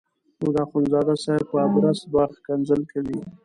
نو د اخندزاده صاحب په ادرس به ښکنځل کوي.